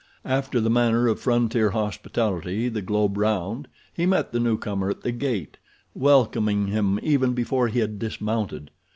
After the manner of frontier hospitality the globe round he met the newcomer at the gate, welcoming him even before he had dismounted.